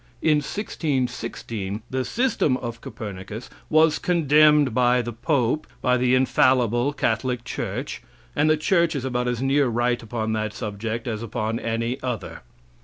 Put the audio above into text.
In 1616 the system of Copernicus was condemned by the pope, by the infallible Catholic church, and the church is about as near right upon that subject as upon any other.